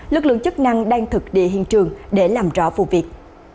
lực lượng chức năng đang thực địa hiện trường để làm rõ vụ việc